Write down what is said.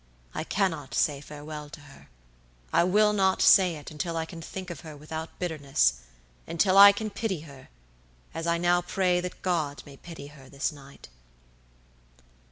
I cannot say farewell to her. I will not say it until I can think of her without bitternessuntil I can pity her, as I now pray that God may pity her this night."